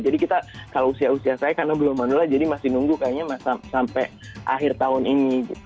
jadi kita kalau usia usia saya karena belum manula jadi masih nunggu kayaknya sampai akhir tahun ini